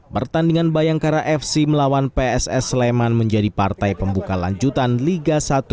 pertandingan bayangkara fc melawan pss sleman menjadi partai pembuka lanjutan liga satu